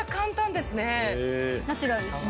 ナチュラルですね。